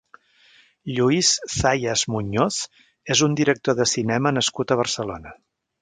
Lluís Zayas Muñoz és un director de cinema nascut a Barcelona.